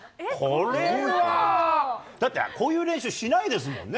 これは、だって、こういう練習しないですもんね。